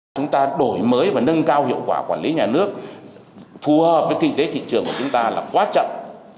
chúng ta đổi mới và nâng cao hiệu quả quản lý nhà nước phù hợp với kinh tế thị trường của chúng ta là quá chậm